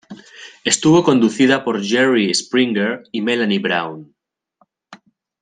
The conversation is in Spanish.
Estuvo conducida por Jerry Springer y Melanie Brown.